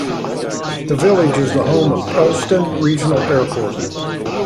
The village is the home of Pellston Regional Airport.